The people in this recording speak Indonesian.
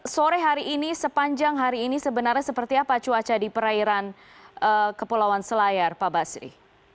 sore hari ini sepanjang hari ini sebenarnya seperti apa cuaca di perairan kepulauan selayar pak basri